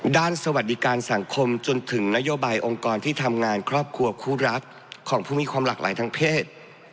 สวัสดีการสังคมจนถึงนโยบายองค์กรที่ทำงานครอบครัวคู่รักของผู้มีความหลากหลายทางเพศ